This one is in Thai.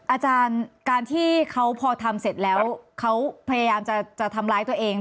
อาจารย์การที่เขาพอทำเสร็จแล้วเขาพยายามจะทำร้ายตัวเอง